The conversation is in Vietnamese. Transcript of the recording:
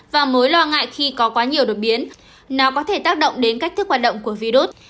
và mối lo ngại khi có quá nhiều đột biến nó có thể tác động đến cách thức hoạt động của virus